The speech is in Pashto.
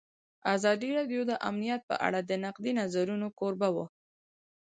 ازادي راډیو د امنیت په اړه د نقدي نظرونو کوربه وه.